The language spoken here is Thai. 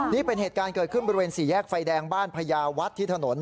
นี่เป็นเหตุการณ์เกิดขึ้นบริเวณสี่แยกไฟแดงบ้านพญาวัดที่ถนน